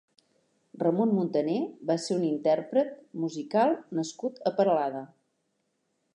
Ramon Muntaner va ser un intérpret musical nascut a Peralada.